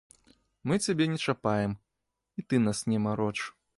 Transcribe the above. Мы цябе не чапаем, і ты нас не мароч.